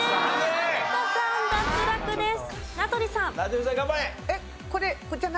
名取さん脱落です。